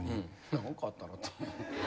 何かあったらって。